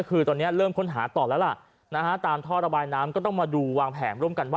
คือตอนนี้เริ่มค้นหาต่อแล้วล่ะนะฮะตามท่อระบายน้ำก็ต้องมาดูวางแผนร่วมกันว่า